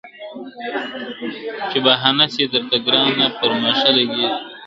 چي بهانه سي درته ګرانه پر ما ښه لګیږي ..